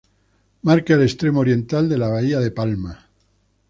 Marca el extremo oriental de la Bahía de Palma.